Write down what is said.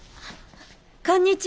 こんにちは。